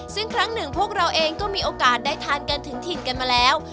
ซึ่งครั้งหนึ่งพวกเราเองก็มีโอกาสได้ทานกันถึงถิ่นกันมาแล้ว